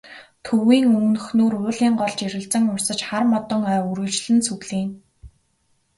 Төвийн өмнөхнүүр уулын гол жирэлзэн урсаж, хар модон ой үргэлжлэн сүглийнэ.